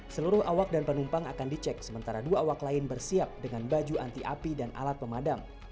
seluruh awak dan penumpang akan dicek sementara dua awak lain bersiap dengan baju anti api dan alat pemadam